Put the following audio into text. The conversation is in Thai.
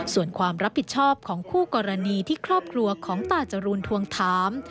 ส่วนความรับผิดชอบของคู่กรณีที่ครอบครัวของตาจรูนทวงถาม